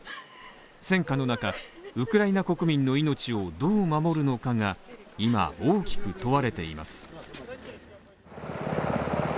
戦火の中、ウクライナ国民の命をどう守るのかが今、大きく問われています。